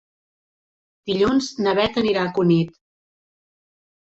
Dilluns na Beth anirà a Cunit.